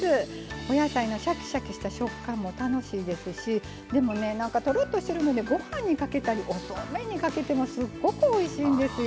お野菜のシャキシャキした食感も楽しいですしでもねとろっとしてるのでご飯にかけたりおそうめんにかけてもすっごくおいしいんですよ。